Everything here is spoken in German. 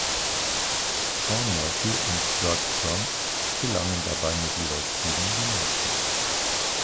Shaun Murphy und Judd Trump gelangen dabei mit jeweils sieben die meisten.